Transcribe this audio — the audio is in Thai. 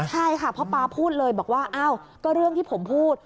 ใช่ค่ะพ่อป๊าพูดเลยบอกว่าอ้าวก็เรื่องที่ผมพูด